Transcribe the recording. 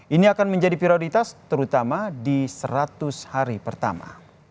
ini akan menjadi prioritas terutama di seratus hari pertama